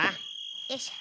よいしょ。